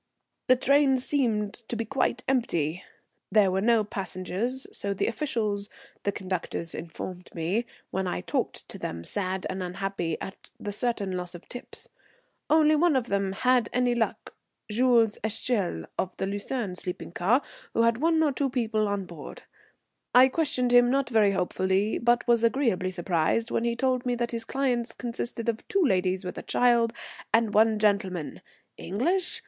The train seemed to be quite empty; there were no passengers, so the officials, the conductors, informed me when I talked to them, sad and unhappy at the certain loss of tips. Only one of them had any luck, Jules l'Echelle, of the Lucerne sleeping car, who had one or two people on board. I questioned him not very hopefully, but was agreeably surprised when he told me that his clients consisted of two ladies with a child, and one gentleman. English?